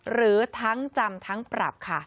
หรือทั้งจำทั้งปรับค่ะ